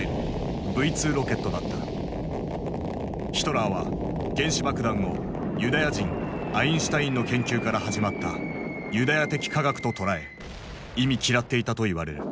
ヒトラーは原子爆弾をユダヤ人アインシュタインの研究から始まった「ユダヤ的科学」と捉え忌み嫌っていたと言われる。